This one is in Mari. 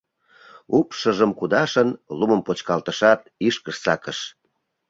Упшыжым кудашын, лумым почкалтышат, ишкыш сакыш.